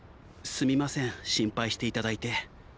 すみません心配して頂いて。